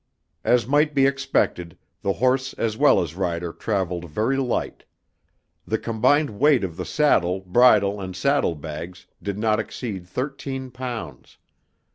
As might be expected, the horse as well as rider traveled very light. The combined weight of the saddle, bridle and saddle bags did not exceed thirteen pounds.